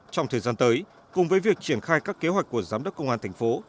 trong thời gian tới cùng với việc triển khai các kế hoạch của giám đốc công an thành phố